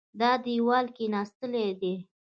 دا دېوال کېناستلی دی.